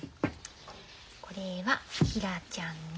これはひらちゃんの。